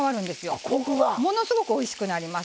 ものすごくおいしくなります。